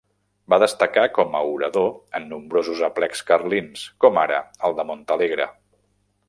Va destacar com a orador en nombrosos aplecs carlins, com ara el de Montalegre.